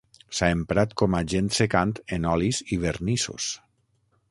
S'ha emprat com agent secant en olis i vernissos.